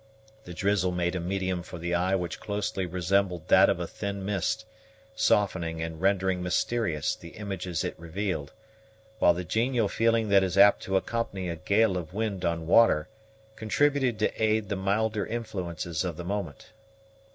The drizzle made a medium for the eye which closely resembled that of a thin mist, softening and rendering mysterious the images it revealed, while the genial feeling that is apt to accompany a gale of wind on water contributed to aid the milder influences of the moment.